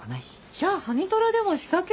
じゃあハニトラでも仕掛けなさいよ。